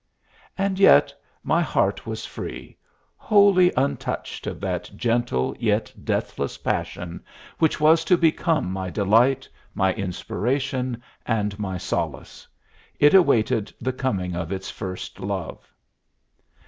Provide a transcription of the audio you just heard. And yet my heart was free; wholly untouched of that gentle yet deathless passion which was to become my delight, my inspiration, and my solace, it awaited the coming of its first love.